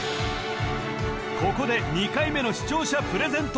ここで２回目の視聴者プレゼント